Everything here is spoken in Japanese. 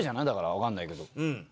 わかんないけど。